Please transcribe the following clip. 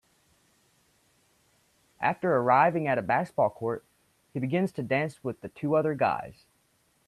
After arriving at a basketball court, he begins to dance with two other guys.